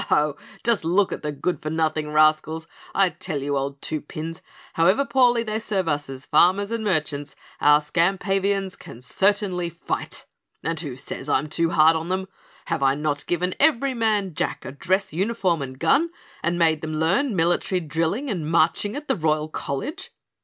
Ho, ho! Just look at the good for nothing rascals. I tell you, old Two Pins, however poorly they serve us as farmers and merchants, our Skampavians can certainly fight. And who says I'm too hard on them? Have I not given every man Jack a dress uniform and gun and made them learn military drilling and marching at the Royal College?"